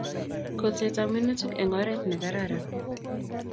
Kolset ab minutik eng oret be kararan